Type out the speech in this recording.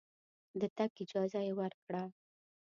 د تګ اجازه یې ورکړه.